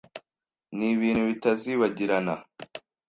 Nibintu bitazibagirana.